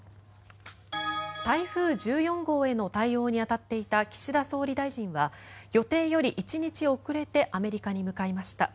台風１４号への対応に当たっていた岸田総理大臣は予定より１日遅れてアメリカに向かいました。